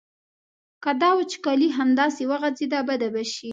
که دا وچکالي همداسې وغځېده بده به شي.